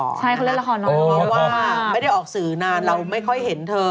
ใช่เขาเล่นละครน้องเพราะว่าไม่ได้ออกสื่อนานเราไม่ค่อยเห็นเธอ